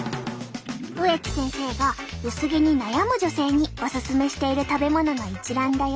植木先生が薄毛に悩む女性におすすめしている食べ物の一覧だよ。